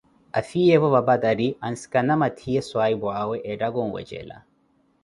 Afiyeevo vampatari ya paraphato ansikana mathiye swaahipuawe ettaka onweeja